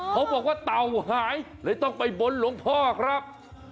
เขาบอกว่าเต่าหายเลยต้องไปบนหลวงพ่อครับ